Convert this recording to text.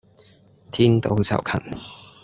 天道酬勤